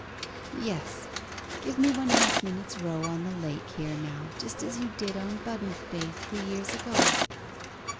'Yes give me one half minute's row on the lake here now, just as you did on Budmouth Bay three years ago.